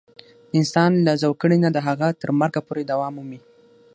د انسان له زوکړې نه د هغه تر مرګه پورې دوام مومي.